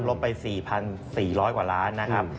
ไป๔๔๐๐กว่าล้านนะครับ